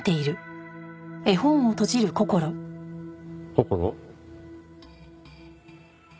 こころ？